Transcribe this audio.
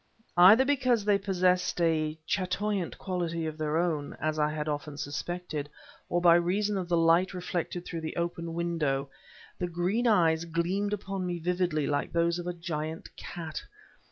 Either because they possessed a chatoyant quality of their own (as I had often suspected), or by reason of the light reflected through the open window, the green eyes gleamed upon me vividly like those of a giant cat.